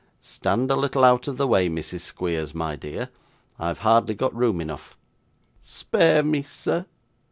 'Stand a little out of the way, Mrs. Squeers, my dear; I've hardly got room enough.' 'Spare me, sir!